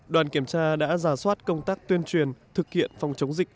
đoàn kiểm tra đã giả soát công tác tuyên truyền thực hiện phòng chống dịch